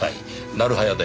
なる早で。